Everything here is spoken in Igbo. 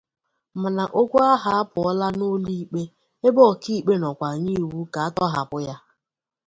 Mana okwu ahụ apụọla n’ụlọikpe ebe ọkaikpọ nọkwa nye iwu ka a tọghapụ ya.”